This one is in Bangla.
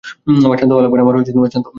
আমার শান্ত হওয়া লাগবে না!